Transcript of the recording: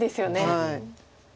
はい。